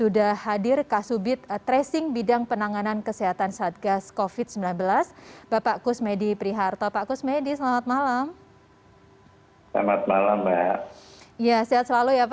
dan juga berbincang dengan hal yang lain